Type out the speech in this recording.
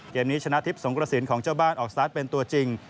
เกมนี้ชนะทิพย์สงกระสินของเจ้าบ้านออกสตาร์ทเป็นตัวจริง